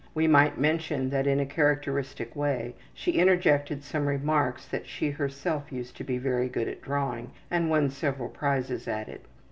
We might mention that in a characteristic way she interjected some remarks that she herself used to be very good at drawing and won several prizes at it.